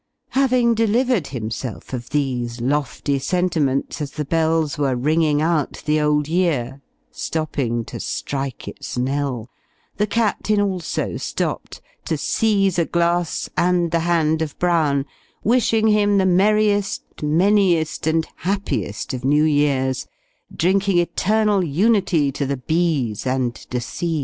Having delivered himself of these lofty sentiments as the bells were ringing out the old year stopping to strike its knell; the Captain also stopped, to seize a glass and the hand of Brown wishing him the merriest, maniest, and happiest of New Years; drinking eternal unity to the B.'s and De C.'